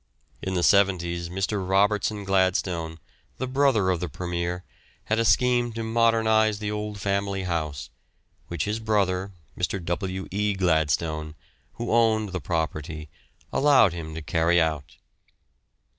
In the 'seventies Mr. Robertson Gladstone, the brother of the Premier, had a scheme to modernise the old family house, which his brother, Mr. W. E. Gladstone, who owned the property, allowed him to carry out.